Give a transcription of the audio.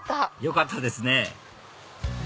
よかったですね